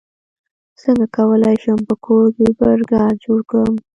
څنګه کولی شم په کور کې برګر جوړ کړم